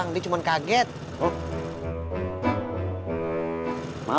lupa teman kita